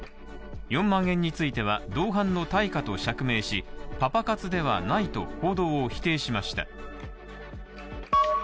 ４万円については同伴の対価と釈明しパパ活ではないと報道を否定しました。